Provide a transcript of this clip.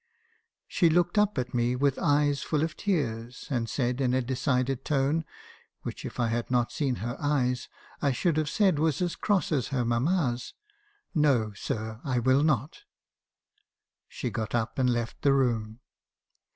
She looked up at me with eyes full of tears, and said, in a decided tone (which, if I had not seen her eyes, I should have said was as cross as her mamma's), 'No, sir, I will not.' She got up, and left the room.